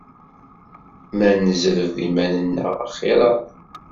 Ma nezreb iman-nneɣ axir-aɣ.